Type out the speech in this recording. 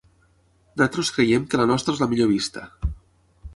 Nosaltres creiem que la nostra és la millor vista.